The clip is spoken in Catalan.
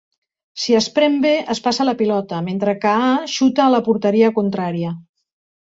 Si es prem B es passa la pilota, mentre que A xuta a la porteria contrària.